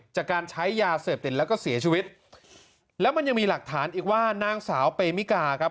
จากการใช้ยาเสพติดแล้วก็เสียชีวิตแล้วมันยังมีหลักฐานอีกว่านางสาวเปมิกาครับ